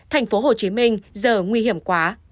tp hcm giờ nguy hiểm quá